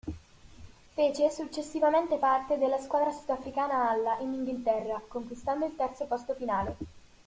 Fece successivamente parte della squadra sudafricana alla in Inghilterra, conquistando il terzo posto finale.